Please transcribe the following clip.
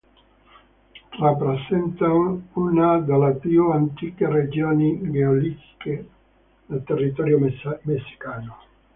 Rappresenta una delle più antiche regioni geologiche nel territorio messicano.